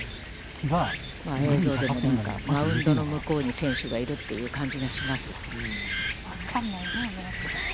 映像でも、マウンドの向こうに、選手がいるという感じがします。